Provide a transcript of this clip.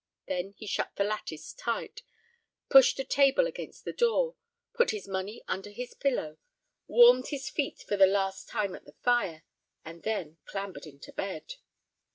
Then he shut the lattice tight, pushed a table against the door, put his money under his pillow, warmed his feet for the last time at the fire, and then clambered into bed.